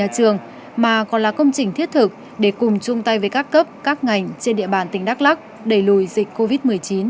cùng chung tay với các cấp các ngành trên địa bàn tỉnh đắk lắc đẩy lùi dịch covid một mươi chín